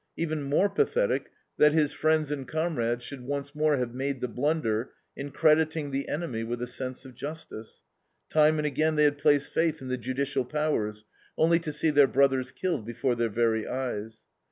Even more pathetic that his friends and comrades should once more have made the blunder in crediting the enemy with a sense of justice. Time and again they had placed faith in the judicial powers, only to see their brothers killed before their very eyes.